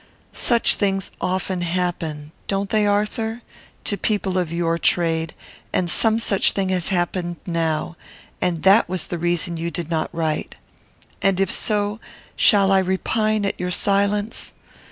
Such things often happen (don't they, Arthur?) to people of your trade, and some such thing has happened now; and that was the reason you did not write. And if so, shall I repine at your silence?